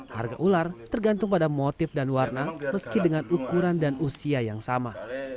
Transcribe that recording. harga ular tergantung pada motif dan warna meski dengan ukuran dan usia yang sama